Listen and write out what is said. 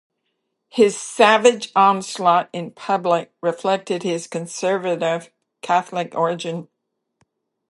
His savage onslaught in public reflected his conservative Catholic origin.